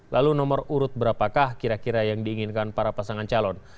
lalu nomor urut berapakah kira kira yang diinginkan para pasangan calon